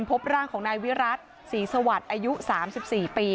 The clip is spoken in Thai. พบร่างของนายวิรัติศรีสวรรค์อายุสามสิบสี่ปี